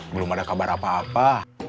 belum ada kabar apa apa